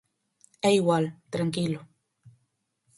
É igual, tranquilo.